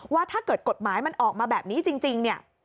ว่าถ้าเกิดกฎหมายมันออกมาแบบนี้จริงเนี่ย